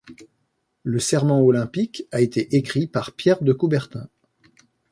Le serment olympique a été écrit par Pierre de Coubertin.